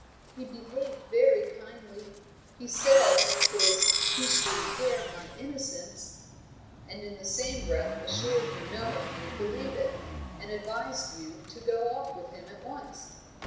He behaved very kindly. He said of course he should declare my innocence " "And in the same breath assured you no one would believe it? And advised you to go off with him at once?"